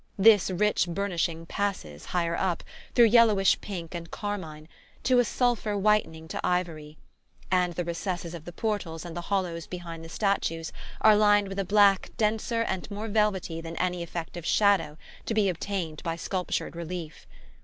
This rich burnishing passes, higher up, through yellowish pink and carmine, to a sulphur whitening to ivory; and the recesses of the portals and the hollows behind the statues are lined with a black denser and more velvety than any effect of shadow to be obtained by sculptured relief.